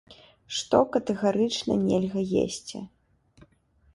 Што катэгарычна нельга есці?